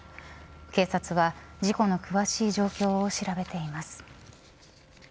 警察は事故の詳しい状況を調べています。